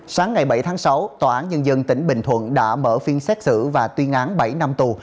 sáng ngày bảy tháng sáu tòa án nhân dân tỉnh bình thuận đã mở phiên xét xử và tuyên án bảy năm tù